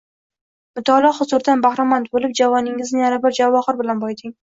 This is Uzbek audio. Mutolaa huzuridan bahramand bo`lib, javoningizni yana bir javohir bilan boyiting